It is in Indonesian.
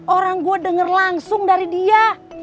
orang gue denger langsung dari dia